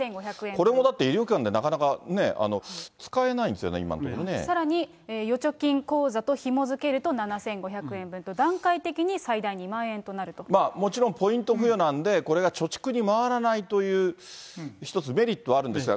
これもだって医療機関でなかなか使えないんですよね、さらに、預貯金口座とひもづけると７５００円分と、段階的に最大２万円ともちろんポイント付与なんで、これが貯蓄に回らないという一つ、メリットはあるんですが。